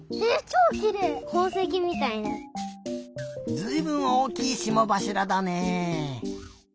ずいぶんおおきいしもばしらだね。